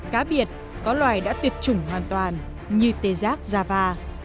cá biệt có loài đã tuyệt chủng hoàn toàn như tê giác da va